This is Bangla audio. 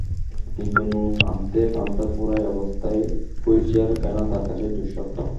কিন্তু নুন আনতে পান্তা ফুরায় অবস্থায় হুইলচেয়ার কেনা তাঁর কাছে দুঃস্বপ্ন।